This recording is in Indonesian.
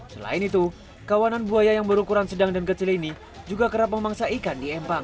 selain itu kawanan buaya yang berukuran sedang dan kecil ini juga kerap memangsa ikan di empang